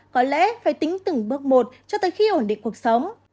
có lẽ phải tính từng bước một cho tới khi ổn định cuộc sống